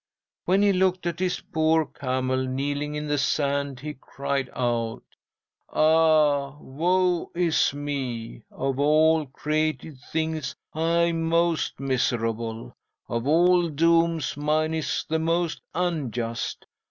"'When he looked at his poor camel kneeling in the sand, he cried out: "Ah, woe is me! Of all created things, I am most miserable! Of all dooms mine is the most unjust!